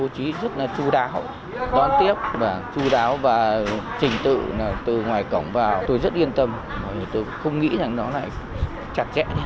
chú đáo và trình tự từ ngoài cổng vào tôi rất yên tâm tôi không nghĩ rằng nó lại chặt chẽ